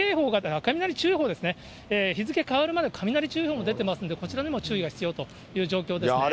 あと、雷注意報ですね、日付変わるまで雷注意報も出てますんで、こちらにも注意が必要という状況ですね。